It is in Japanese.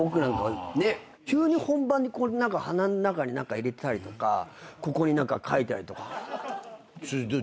急に本番で鼻ん中に何か入れたりとかここに何かかいたりとか。